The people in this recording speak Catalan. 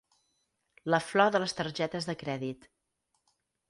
La flor de les targetes de crèdit.